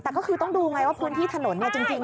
แต่ก็คือต้องดูไงว่าพื้นที่ถนนจริง